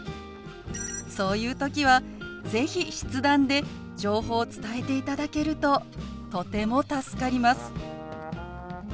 そういう時は是非筆談で情報を伝えていただけるととても助かります。